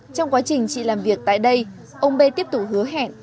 trong quá trình chị làm việc tại đây ông b tiếp tục hứa hẹn